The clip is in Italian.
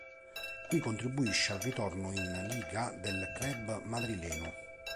Qui contribuisce al ritorno in Liga del club madrileno.